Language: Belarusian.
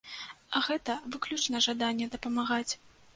Гэта выключна жаданне дапамагаць.